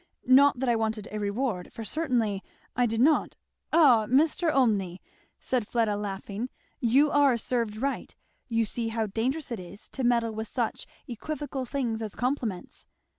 not that I wanted a reward, for I certainly did not " "Ah Mr. Olmney!" said Fleda laughing, "you are served right. You see how dangerous it is to meddle with such equivocal things as compliments.